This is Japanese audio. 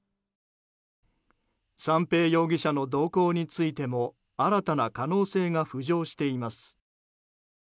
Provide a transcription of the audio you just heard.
三瓶容疑者の動向についても新たな可能性が浮上しています。